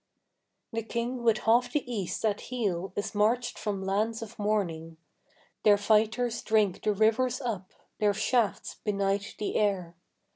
The King with half the East at heel is marched from lands of morning; Their fighters drink the rivers up, their shafts benight the air.